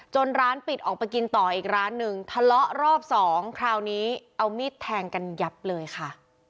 ร้านปิดออกไปกินต่ออีกร้านหนึ่งทะเลาะรอบสองคราวนี้เอามีดแทงกันยับเลยค่ะ